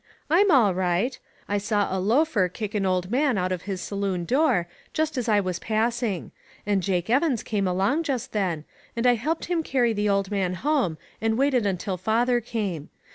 "I'm all right. I saw a loafer kick an old man out of his saloon door, just as I was pass ing. And Jake Evans came along just then, and I helped him carry the old man home, and waited until father came.